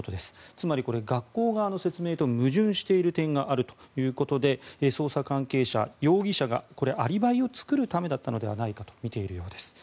つまり学校側の説明と矛盾している点があるということで捜査関係者は容疑者がアリバイを作るためだったのではないかとみているようです。